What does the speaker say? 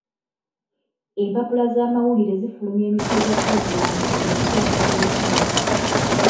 Empapula z'amawulire zifulumya emitwe gya pulogulaamu emipya ku terefayina.